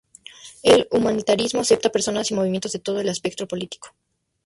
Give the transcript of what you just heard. El Humanitarismo acepta personas y movimientos de todo el espectro político.